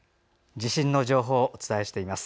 地震の情報をお伝えしています。